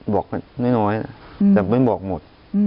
บอกกันน้อยแต่ไม่บอกหมด